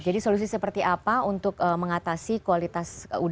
jadi solusi seperti apa untuk mengatasi kualitas udara yang buruk begitu ya